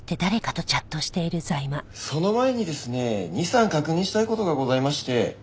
その前にですね二三確認したい事がございまして。